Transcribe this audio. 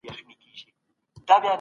د سهار ورزش ډېر ګټور دی.